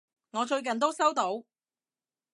我最近都收到！